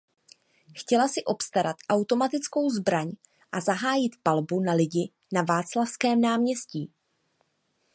Chtěla si obstarat automatickou zbraň a zahájit palbu na lidi na Václavském náměstí.